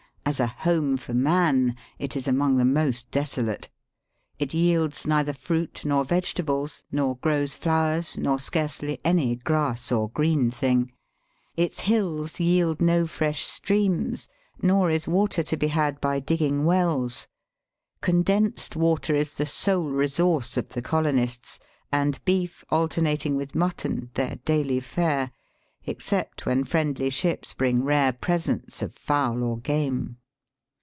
As a home for man it is among the most desolate. It yields neither fruit nor vegetables, nor grows flowers, nor scarcely any grass or green thing. Its hills yield no fresh streams, nor is water to be had by digging weUs. Condensed water is the sole resource of the colonists, and beef alter nating with mutton their daily fare, except when friendly ships bring rare presents of fowl or game.